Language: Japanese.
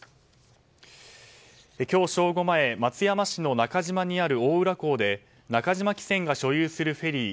今日正午前、松山市の中島にある大浦港で中島汽船が所有するフェリー